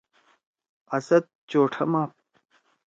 اسد چوٹھم آپ۔